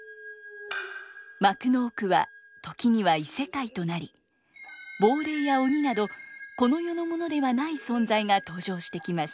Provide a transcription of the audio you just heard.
幕の奥は時には異世界となり亡霊や鬼などこの世のものではない存在が登場してきます。